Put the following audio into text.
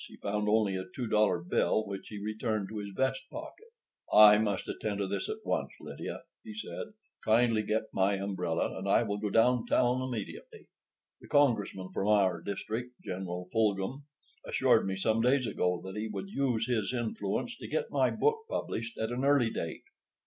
He found only a two dollar bill, which he returned to his vest pocket. "I must attend to this at once, Lydia," he said. "Kindly get me my umbrella and I will go downtown immediately. The congressman from our district, General Fulghum, assured me some days ago that he would use his influence to get my book published at an early date.